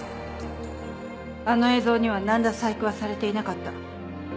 あの映像には何ら細工はされていなかった。